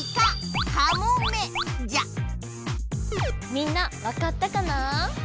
みんなわかったかな？